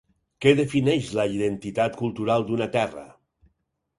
Què defineix la identitat cultural d’una terra?